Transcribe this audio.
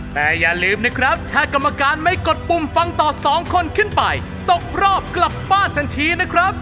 แต่อย่าลืมนะครับถ้ากรรมการไม่กดปุ่มฟังต่อสองคนขึ้นไปตกรอบกลับบ้านทันทีนะครับ